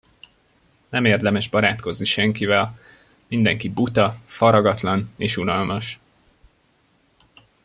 Nem érdemes barátkozni senkivel, mindenki buta, faragatlan és unalmas.